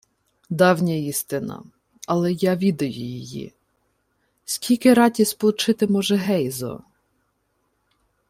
— Давня істина. Але я відаю її. Скільки раті сполчити може Гейзо?